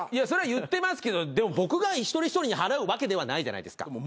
それは言ってますけどでも僕が一人一人に払うわけではないじゃないですか。